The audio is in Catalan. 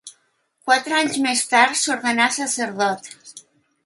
Quatre anys més tard s'ordenà sacerdot.